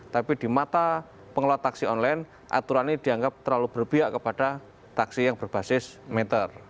tapi di mata pengelola taksi online aturan ini dianggap terlalu berbiak kepada taksi yang berbasis meter